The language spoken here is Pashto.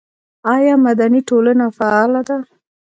آیا مدني ټولنه فعاله ده؟